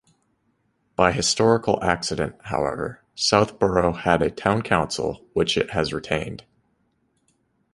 By historical accident, however, Southborough had a Town Council, which it has retained.